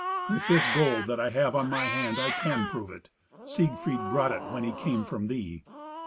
With this gold that I have on my hand I can prove it. Siegfried brought it when he came from thee."